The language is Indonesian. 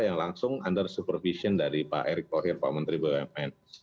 yang langsung under supervision dari pak erick thohir pak menteri bumn